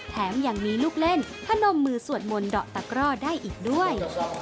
แถมยังมีลูกเล่นพนมมือสวดมนต์ดอกตะกร่อได้อีกด้วย